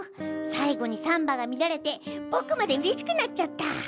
さいごにサンバが見られてぼくまでうれしくなっちゃった。